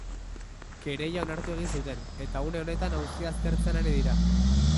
Kereila onartu egin zuten, eta une honetan auzia aztertzen ari dira.